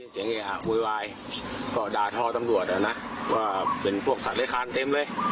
เสียงเยอะอ่ะมุยวายก็ดาทอตรวจอ่ะนะว่าเป็นพวกสาธิคารเต็มเว้ย